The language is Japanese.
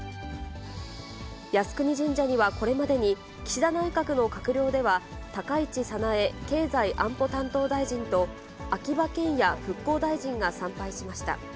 靖国神社には、これまでに岸田内閣の閣僚では、高市早苗経済安保担当大臣と、秋葉賢也復興大臣が参拝しました。